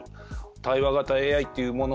対話型ＡＩというもの